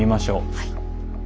はい。